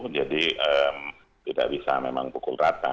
jadi tidak bisa memang pukul rata